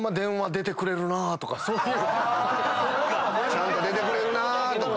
ちゃんと出てくれるなぁとか。